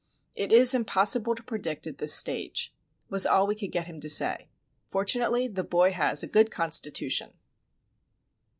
"It is impossible to predict at this stage," was all we could get him to say. "Fortunately, the boy has a good constitution."